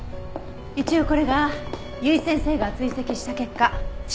一応これが由井先生が追跡した結果。